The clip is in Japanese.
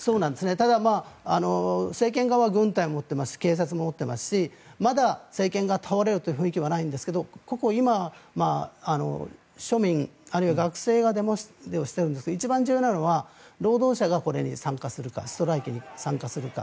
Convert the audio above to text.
ただ、政権側は軍隊を持っていますし警察も持っていますしまだ政権が倒れるという雰囲気はないんですが今、庶民あるいは学生がデモをしているんですが一番重要なのは労働者がこれに参加するかストライキに参加するか。